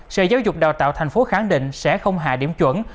sở giáo dục đào tạo tp hcm khẳng định sẽ không hạ điểm chuẩn